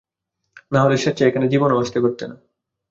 নাহলে স্বেচ্ছায় এখানে জীবনেও আসতে না।